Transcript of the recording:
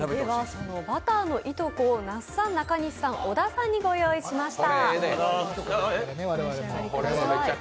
そのバターのいとこを那須さん、中西さん、小田さんにご用意しました。